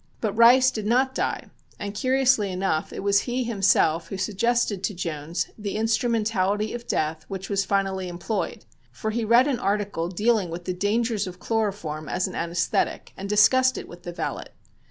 But Rice did not die, and curiously enough it was he himself who suggested to Jones the instrumentality of death which was finally employed, for he read an article dealing with the dangers of chloroform as an anaesthetic, and discussed it with the valet.